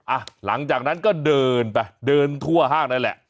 อ่ะหลังจากนั้นก็เดินไปเดินทั่วห้างนั่นแหละ